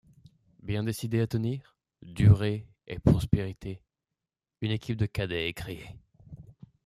Bien décidés à tenir, durée et prospérité, une équipe de cadets est créé.